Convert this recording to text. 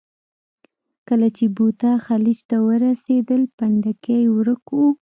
کله چې بوتا خلیج ته ورسېدل، پنډکی یې ورک و.